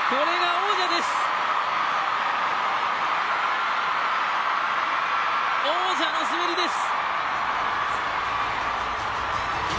王者の滑りです。